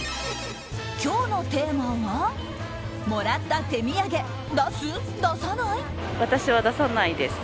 今日のテーマは、もらった手土産出す？